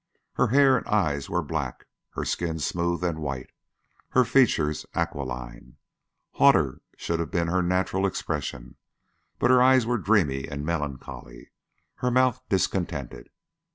Her hair and eyes were black, her skin smooth and white, her features aquiline. Hauteur should have been her natural expression, but her eyes were dreamy and melancholy, her mouth discontented.